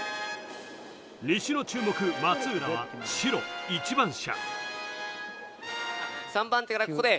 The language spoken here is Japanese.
西の注目、松浦は白・１番車。